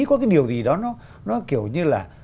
có cái điều gì đó nó kiểu như là